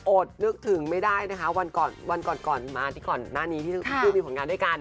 โอดนึกถึงไม่ได้นะคะวันก่อนมานี่หน้านี้ที่ยุ่งมีผ่านงานด้วยกัน